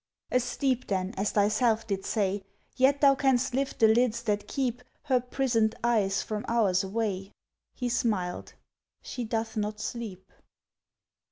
"Asleep then, as thyself did say; Yet thou canst lift the lids that keep Her prisoned eyes from ours away!" He smiled: "She doth not sleep!"